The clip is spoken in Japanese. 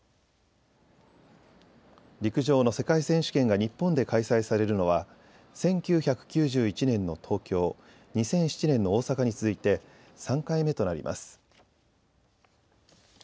陸上の世界選手権が日本で開催されるのは１９９１年の東京、２００７年の大阪に続いて３回目となります。